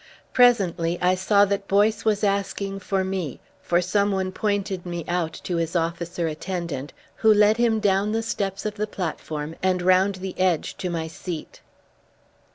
Presently I saw that Boyce was asking for me, for someone pointed me out to his officer attendant, who led him down the steps of the platform and round the edge to my seat.